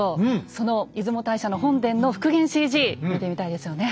その出雲大社の本殿の復元ＣＧ見てみたいですよね。